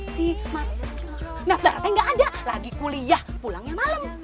si mas mas daratnya enggak ada lagi kuliah pulangnya malem